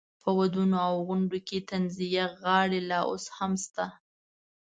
په ودونو او غونډو کې طنزیه غاړې لا اوس هم شته.